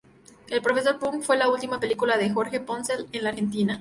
El profesor punk fue la última película de Jorge Porcel en la Argentina.